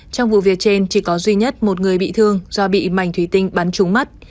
trong vụ việc trên chỉ có duy nhất một người bị thương do bị mảnh thủy tinh bắn trúng mắt